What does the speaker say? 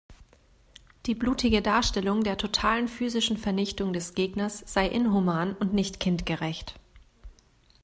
Die blutige Darstellung der totalen physischen Vernichtung des Gegners sei inhuman und nicht kindgerecht.